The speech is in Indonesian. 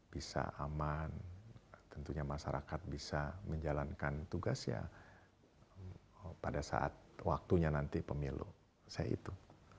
bisa aman tentunya masyarakat bisa menjalankan tugas ya pada saat waktunya nanti pemilu saya itu